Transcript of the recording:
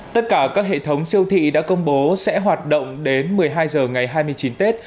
tất cả các hệ thống siêu thị đã công bố sẽ hoạt động đến một mươi hai h ngày hai mươi chín tết